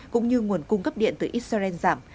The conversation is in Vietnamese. cũng như nguồn cung cấp điện từ israel giảm